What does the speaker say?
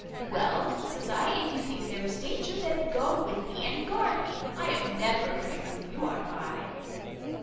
'Well,' says I, 'if you think there is danger, then, go with me, and guard me; I am never afraid when you are by.